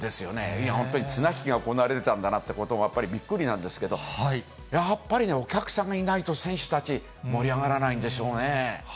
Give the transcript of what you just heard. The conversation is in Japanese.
いやぁ、本当に綱引きが行われてたんだなと、やっぱりびっくりなんですけど、やっぱりね、お客さんがいないと、選手たち、盛り上がらないんでしょうね。